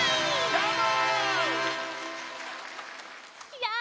どーも！